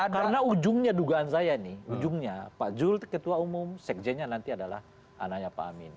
karena ujungnya dugaan saya nih ujungnya pak jul ketua umum sekjennya nanti adalah anaknya pak amin